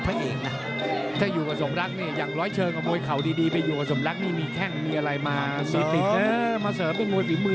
โรงต้มโรงต้มถ้าชกไม่ดีอ่ะโดนต้มแน่